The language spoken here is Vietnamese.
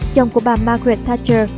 chồng của bà margaret thatcher